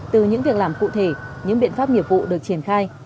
từ những việc làm cụ thể những biện pháp nghiệp vụ được triển khai